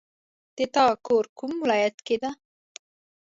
د تا کور کوم ولایت کې ده